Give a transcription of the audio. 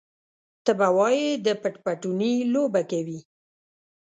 ته به وايې د پټ پټوني لوبه کوي.